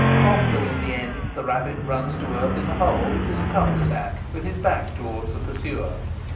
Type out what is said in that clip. Often in the end the rabbit runs to earth in a hole which is a cul de sac, with his back towards the pursuer.